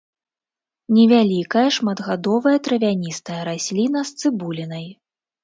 Невялікая шматгадовая травяністая расліна з цыбулінай.